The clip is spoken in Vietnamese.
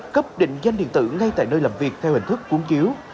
cấp định danh điện tử ngay tại nơi làm việc theo hình thức cúng chiếu